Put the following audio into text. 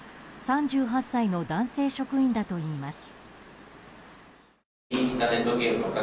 ３８歳の男性職員だといいます。